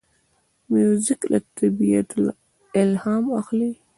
موزیک له طبیعته الهام اخلي.